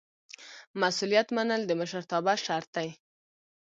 مسؤلیت منل د مشرتابه شرط دی.